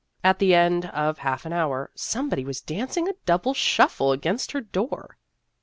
At the end of half an hour, somebody was dancing a double shuffle against her door.